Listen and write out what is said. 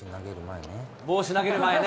帽子投げる前ね。